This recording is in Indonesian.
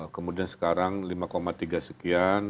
kemudian sekarang lima tiga sekian